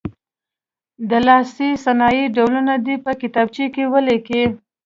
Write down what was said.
د لاسي صنایعو ډولونه دې په کتابچو کې ولیکي.